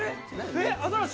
えっアザラシ？